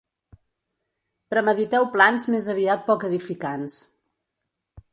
Premediteu plans més aviat poc edificants.